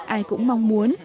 ai cũng mong muốn